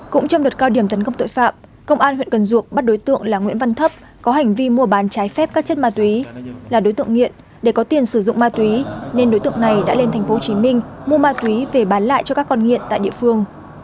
cũng trong đợt cao điểm tấn công tội phạm công an huyện cần duộc bắt đối tượng là nguyễn văn thấp có hành vi mua bán trái phép các chất ma túy là đối tượng nghiện để có tiền sử dụng ma túy nên đối tượng này đã lên tp hcm mua ma túy về bán lại cho các con nghiện tại địa phương